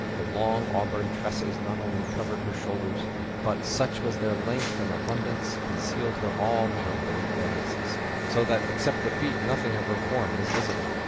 The long auburn tresses not only covered her shoulders, but such was their length and abundance, concealed her all round beneath their masses, so that except the feet nothing of her form was visible.